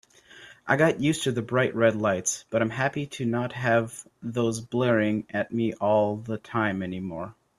I got used to the bright red lights, but I'm happy to not have those blaring at me all the time anymore.